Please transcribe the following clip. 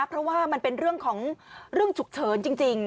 เพราะว่ามันเป็นเรื่องของเรื่องฉุกเฉินจริง